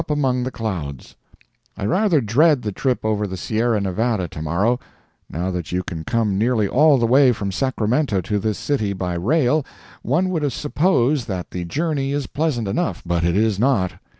UP AMONG THE CLOUDS I rather dread the trip over the Sierra Nevada tomorrow. Now that you can come nearly all the way from Sacramento to this city by rail, one would suppose that the journey is pleasant enough, but it is not.